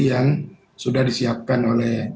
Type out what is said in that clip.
yang sudah disiapkan oleh